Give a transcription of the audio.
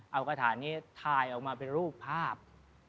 เอากระถานี้ถ่ายออกมาเป็นรูปภาพ